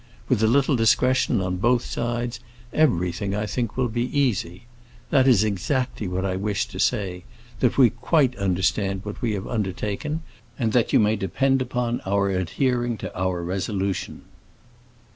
With a little discretion on both sides, everything, I think, will be easy. That is exactly what I wished to say—that we quite understand what we have undertaken, and that you may depend upon our adhering to our resolution."